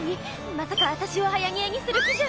まさかアタシをはやにえにする気じゃ。